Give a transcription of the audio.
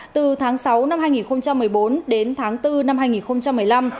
từ tháng sáu năm hai nghìn một mươi bốn đến tháng bốn năm hai nghìn một mươi năm